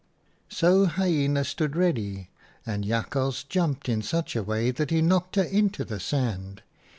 " So Hyena stood ready, and Jakhals jumped in such a way that he knocked her into the sand.